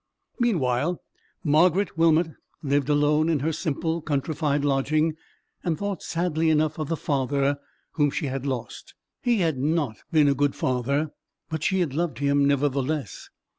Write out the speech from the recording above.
Meanwhile Margaret Wilmot lived alone in her simple countrified lodging, and thought sadly enough of the father whom she had lost. He had not been a good father, but she had loved him nevertheless.